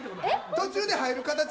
途中で入る形？